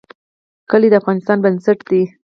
کلي د افغانستان بنسټ دی